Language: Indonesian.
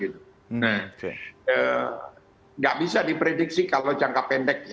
tidak bisa diprediksi kalau jangka pendek